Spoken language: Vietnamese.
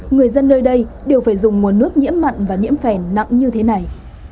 người dân nơi đây đều phải dùng nguồn nước nhiễm mặn và nhiễm phèn nặng như thế này